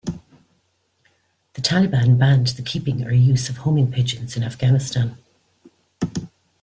The Taliban banned the keeping or use of homing pigeons in Afghanistan.